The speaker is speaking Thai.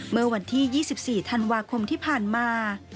เมื่อวันที่๒๔ธันวาคมที่ผ่านมา